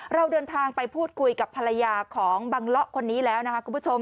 เราเดินทางไปพูดคุยกับภรรยาของบังเลาะคนนี้แล้วนะคะคุณผู้ชม